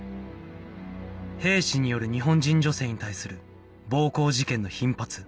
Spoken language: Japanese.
兵士による日本人女性に対する暴行事件の頻発